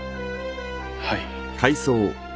はい。